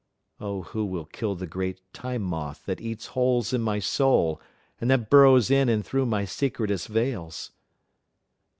(O who will kill the great Time Moth that eats holes in my soul and that burrows in and through my secretest veils!)